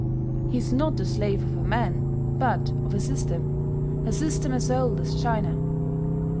He is not the slave of a man, but of a system a system as old as China.